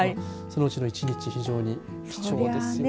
そのうちの１日非常に貴重ですね。